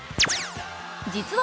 実は